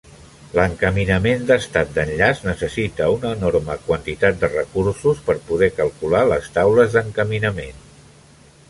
L'encaminament d'estat d'enllaç necessita una enorme quantitat de recursos per poder calcular les taules d'encaminament.